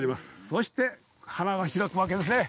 そして、花が開くわけですね。